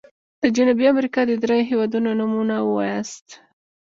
د جنوبي امريکا د دریو هيوادونو نومونه ووایاست.